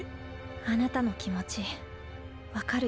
あなたの気持ち分かるよ。